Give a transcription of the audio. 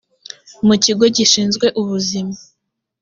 mu mu kigo gishinzwe ubuzima